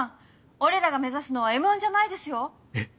俺らが目指すのはＭ−１じゃないですよ。えっ？